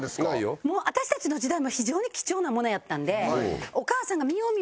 私たちの時代も非常に貴重なものやったので。